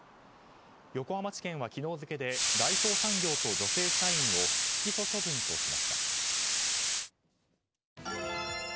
横浜地検は昨日付で大創産業と女性社員を不起訴処分としました。